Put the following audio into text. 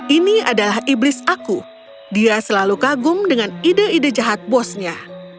ini adalah iblis aku dia selalu kagum dengan ide ide jahat bosnya